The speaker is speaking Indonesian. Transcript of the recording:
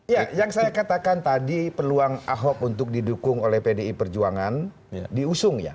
ya yang saya katakan tadi peluang ahok untuk didukung oleh pdi perjuangan diusung ya